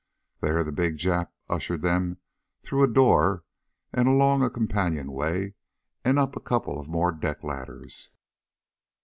There the big Jap ushered them through a door and along a companionway, and up a couple of more deck ladders.